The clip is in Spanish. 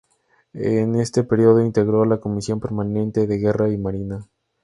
En este período integró la Comisión permanente de Guerra y Marina.